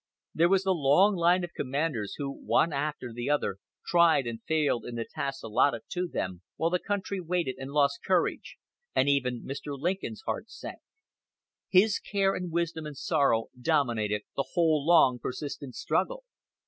There was the long line of commanders who one after the other tried and failed in the tasks allotted to them, while the country waited and lost courage, and even Mr. Lincoln's heart sank. His care and wisdom and sorrow dominated the whole long persistent struggle.